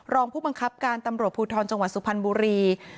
รองผู้บังคับการตำรวจภูทรจังหวัดสุพรรณบุรี